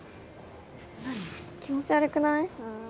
気持ち悪くない？